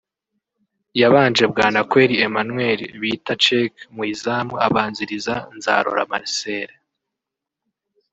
yabanje Bwanakweli Emmanuel bita Czech mu izamu abanziriza Nzarora Marcel